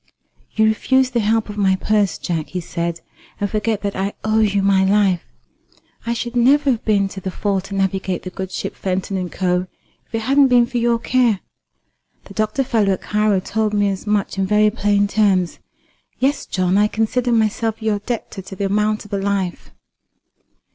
"You refuse the help of my purse, Jack," he said, "and forget that I owe you my life. I should never have been to the fore to navigate the good ship Fenton and Co., if it hadn't been for your care. The doctor fellow at Cairo told me as much in very plain terms. Yes, John, I consider myself your debtor to the amount of a life."